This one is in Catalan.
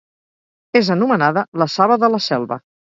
És anomenada la saba de la selva.